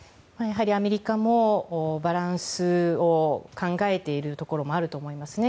アメリカもバランスを考えているところがあると思いますね。